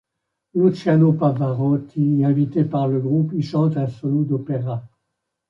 Luciano Pavarotti, invité par le groupe, y chante un solo d'opéra.